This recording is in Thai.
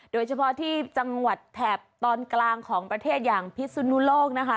โดยเฉพาะที่จังหวัดแถบตอนกลางของประเทศอย่างพิสุนุโลกนะคะ